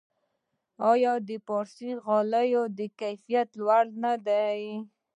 آیا د فارسي غالیو کیفیت ډیر لوړ نه دی؟